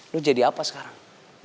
lu jadi apa sekarang